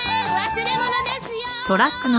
忘れ物ですよー！